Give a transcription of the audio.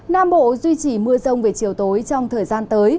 nam bộ duy trì mưa rông về chiều tối trong thời gian tới